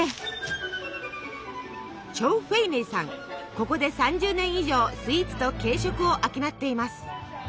ここで３０年以上スイーツと軽食を商っています。